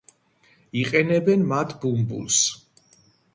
იყენებენ მათ ბუმბულს.